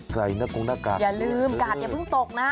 ใส่หน้ากงหน้ากากอย่าลืมกาดอย่าเพิ่งตกนะ